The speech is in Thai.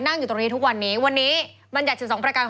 นั่งอยู่ตรงนี้ทุกวันนี้วันนี้บัญญัติ๑๒ประการของคุณชูเว็ต